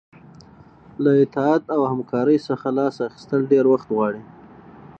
له اطاعت او همکارۍ څخه لاس اخیستل ډیر وخت غواړي.